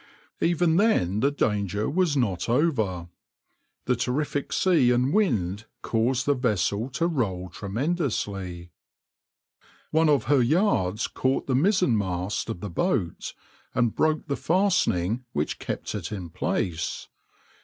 \par Even then the danger was not over. The terrific sea and wind caused the vessel to roll tremendously. One of her yards caught the mizzenmast of the boat, and broke the fastening which kept it in its place.